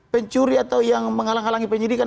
pencuri atau yang menghalangi penyidikan